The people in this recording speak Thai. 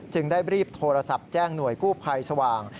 ได้รีบโทรศัพท์แจ้งหน่วยกู้ภัยสว่าง